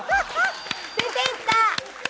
出ていった。